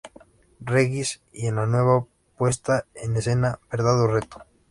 Regis; y en la nueva puesta en escena: Verdad O Reto.